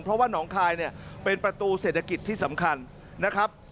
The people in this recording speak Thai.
เพราะว่าหนองคายเนี่ยเป็นประตูเศรษฐกิจที่สำคัญนะครับ